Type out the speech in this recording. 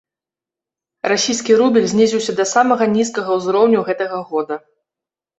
Расійскі рубель знізіўся да самага нізкага ўзроўню гэтага года.